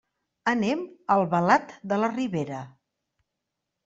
Anem a Albalat de la Ribera.